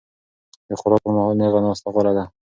د خوراک پر مهال نېغه ناسته غوره ده.